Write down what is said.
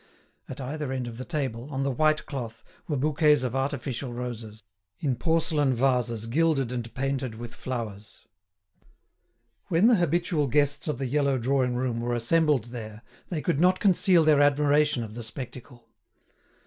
At either end of the table, on the white cloth, were bouquets of artificial roses, in porcelain vases gilded and painted with flowers. When the habitual guests of the yellow drawing room were assembled there they could not conceal their admiration of the spectacle.